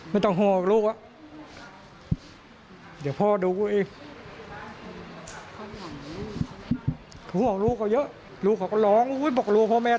ไม่ต้องห่วงลูกอ่ะเดี๋ยวพ่อดูเอง